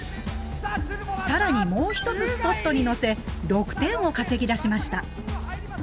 更にもう１つスポットにのせ６点を稼ぎ出しました。